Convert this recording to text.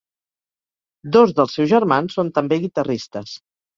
Dos dels seus germans són també guitarristes.